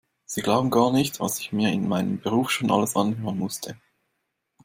Sie glauben gar nicht, was ich mir in meinem Beruf schon alles anhören musste.